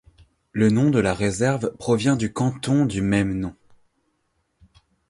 Le nom de la réserve provient du canton du même nom.